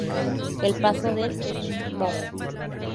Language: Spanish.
El paso del Stmo.